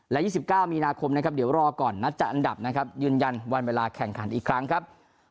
และ๒๙มีนาคมเดี๋ยวรอก่อนนะจัดอันดับยืนยันวันเวลาแข่งขันอีกครั้งครับ